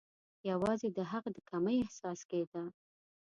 یوازي د هغه د کمۍ احساس کېده.